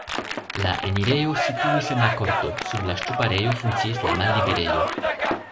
La enirejo situis en la korto, sub la ŝtuparejo funkciis la malliberejo.